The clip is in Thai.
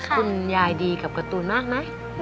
คุณยายดีกับการ์ตูนมากไหม